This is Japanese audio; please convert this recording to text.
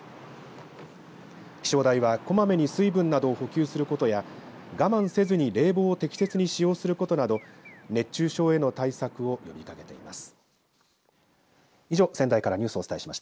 気象台は、こまめに水分などを補給することや我慢せずに冷房を適切に使用することなど熱中症への対策を呼びかけています。